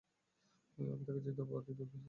আমি তাকে জিন্দা বাড়িতে ফিরিয়ে আনব।